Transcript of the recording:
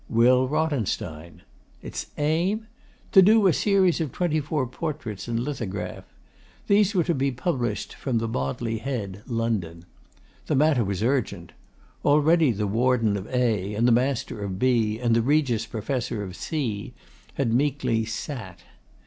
Will Rothenstein. Its aim? To do a series of twenty four portraits in lithograph. These were to be published from the Bodley Head, London. The matter was urgent. Already the Warden of A, and the Master of B, and the Regius Professor of C, had meekly 'sat.